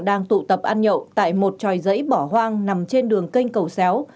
đang tụ tập ăn nhậu tại một tròi giấy bỏ hoang nằm trên đường kênh cầu xéo